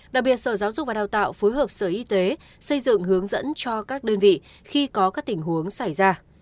đặc biệt sở giáo dục và đào tạo phối hợp sở y tế xây dựng hướng dẫn cho các đơn vị khi có các tình huống xảy ra